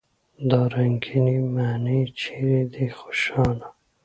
دا رنګينې معنی چېرې دي خوشحاله!